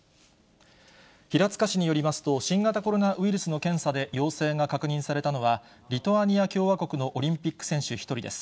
平塚市によりますと、新型コロナウイルスの検査で陽性が確認されたのは、リトアニア共和国のオリンピック選手１人です。